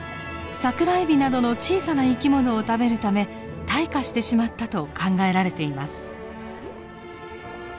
サクラエビなどの小さな生き物を食べるため退化してしまったと考えられています。